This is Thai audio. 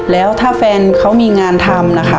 แล้วถ้าแฟนเขามีงานทำนะคะ